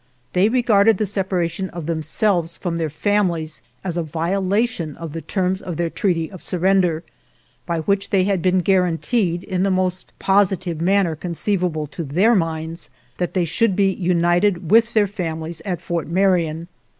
They regarded the separation of themselves from their families as a violation of the terms of their treaty of surrender, by which they had been guaranteed, in the most positive manner conceivable to their minds, that they should be united with their fami lies at Fort Marion.